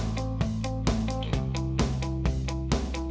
ผมต้องเป็นผู้งาน